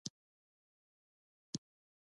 «کارپوس» معنس جسم دی؛ خو شرکت جسم نهلري.